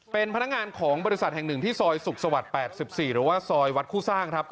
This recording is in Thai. เป็นพนักงานของบริษัทแห่งหนึ่งที่ซอยสุขสวรรค์๘๔หรือว่าซอยวัดคู่สร้างครับ